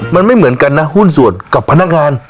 มันไม่เหมือนกันนะหุ้นส่วนกับพนักงาน